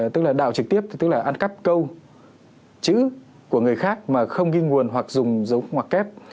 tức là đào trực tiếp tức là ăn cắp câu chữ của người khác mà không ghi nguồn hoặc dùng giống hoặc kép